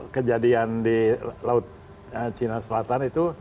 kejadian di laut cina selatan itu